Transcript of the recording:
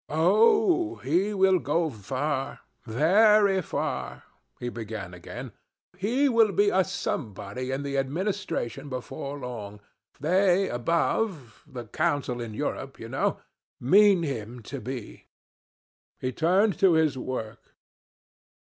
'Oh, he will go far, very far,' he began again. 'He will be a somebody in the Administration before long. They, above the Council in Europe, you know mean him to be.' "He turned to his work.